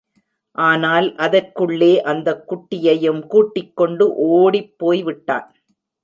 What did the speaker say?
ஆனால் அதற்குள்ளே அந்தக் குட்டியையும் கூட்டிக்கொண்டு ஓடிப்போய் விட்டான்.